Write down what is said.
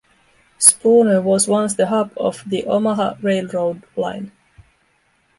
Spooner was once the hub of the Omaha Railroad Line.